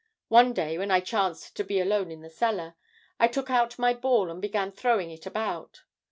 One day when I chanced to be alone in the cellar, I took out my ball and began throwing it about.